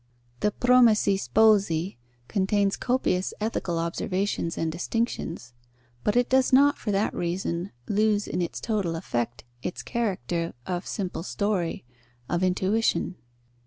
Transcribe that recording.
The Promessi Sposi contains copious ethical observations and distinctions, but it does not for that reason lose in its total effect its character of simple story, of intuition.